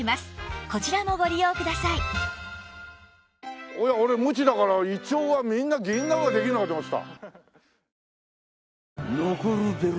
しかも俺無知だからイチョウはみんな銀杏ができるのかと思ってた。